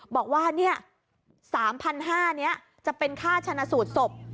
บอกว่าเนี่ย๓๕๐๐บาทจะเป็นค่าชนสูตรศพ